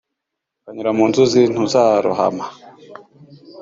ukanyura mu nzuzi, ntuzarohama.